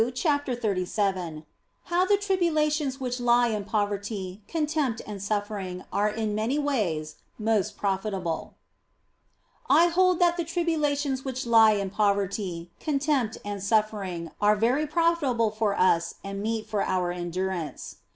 CHAPTER XXXVII HOW THE TRIBULATIONS WHICH LIE IN POVERTY, CONTEMPT, AND SUFFERING ARE IN MANY WAYS MOST PROFITABLE I HOLD that the tribulations which lie in poverty, con tempt, and suffering are very profitable for us and meet for our endurance.